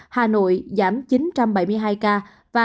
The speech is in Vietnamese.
hà nội giảm chín trăm bảy mươi hai ca